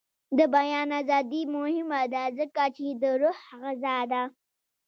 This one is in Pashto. د بیان ازادي مهمه ده ځکه چې د روح غذا ده.